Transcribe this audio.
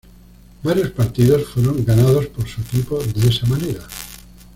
Varios partidos fueron ganados por su equipo de esa manera.